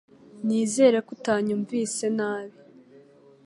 Nizere ko utanyumvise nabi